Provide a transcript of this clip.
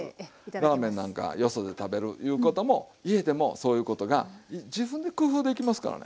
ラーメンなんかよそで食べるいうことも家でもそういうことが自分で工夫できますからね。